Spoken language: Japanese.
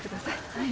はい。